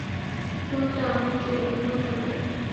শুধুমাত্র আমিই যে উগ্র তা নয়।